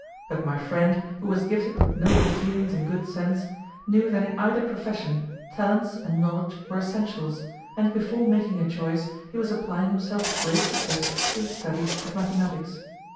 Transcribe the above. But my friend, who was gifted with noble feelings and good sense, knew that in either profession talents and knowledge were essentials, and before making a choice he was applying himself with great success to the study of mathematics.